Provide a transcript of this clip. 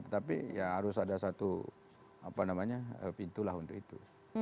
tetapi ya harus ada satu pintulah untuk itu